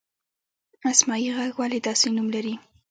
اسمايي غر ولې داسې نوم لري؟